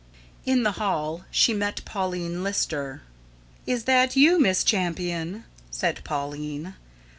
In the hall she met Pauline Lister. "Is that you, Miss Champion?" said Pauline.